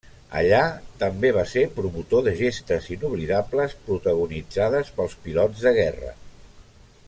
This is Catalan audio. Allà també va ser promotor de gestes inoblidables protagonitzades pels pilots de guerra.